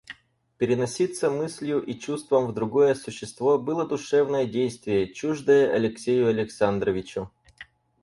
Переноситься мыслью и чувством в другое существо было душевное действие, чуждое Алексею Александровичу.